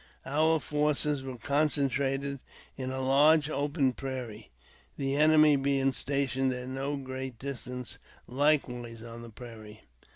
Our forces were concentrated in a large open prairie, the enemy being stationed at no great distance, likewise on th© prairie.